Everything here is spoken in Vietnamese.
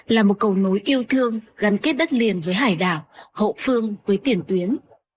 là một cầu nối yêu thương gắn kết đất liền với hải đảo hậu phương với tiền tuyến